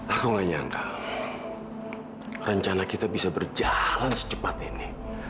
aku gak nyangka rencana kita bisa berjalan secepat ini